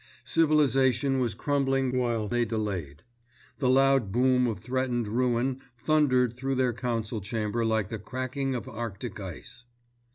Civilisation was crumbling while they delayed. The loud boom of threatened ruin thundered through their council chamber like the cracking of Arctic ice.